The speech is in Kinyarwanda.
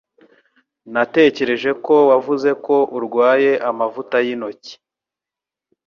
Natekereje ko wavuze ko urwaye amavuta yintoki.